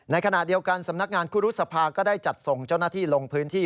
ในขณะเดียวกันสำนักงานคุรุษภาก็ได้จัดส่งเจ้าหน้าที่ลงพื้นที่